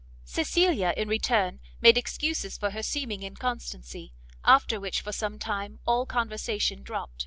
Cecilia in return made excuses for her seeming inconsistency; after which, for some time, all conversation dropt.